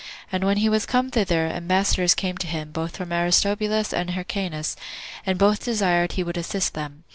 And when he was come thither, ambassadors came to him, both from Aristobulus and Hyrcanus, and both desired he would assist them.